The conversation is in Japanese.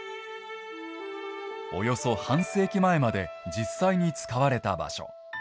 およそ半世紀前まで実際に使われた場所